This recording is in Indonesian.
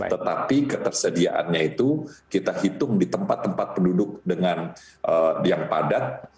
tetapi ketersediaannya itu kita hitung di tempat tempat penduduk dengan yang padat